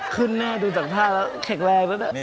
ขึ้นเนี่ยดูจากท่าแล้วแขกแรงเหลือ